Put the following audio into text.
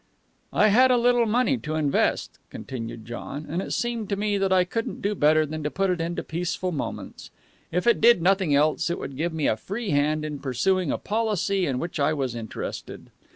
"I had a little money to invest," continued John. "And it seemed to me that I couldn't do better than put it into Peaceful Moments. If it did nothing else, it would give me a free hand in pursuing a policy in which I was interested.